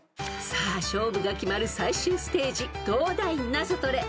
［さあ勝負が決まる最終ステージ東大ナゾトレ］